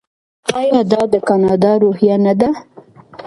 آیا دا د کاناډا روحیه نه ده؟